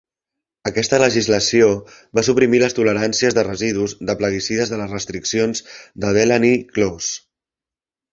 Aquesta legislació va suprimir les toleràncies de residus de plaguicides de les restriccions de Delaney Clause.